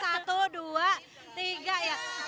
satu dua tiga ya